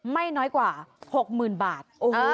ไม่น้อยกว่า๖๐๐๐บาท